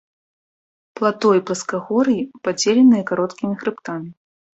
Плато і пласкагор'і, падзеленыя кароткімі хрыбтамі.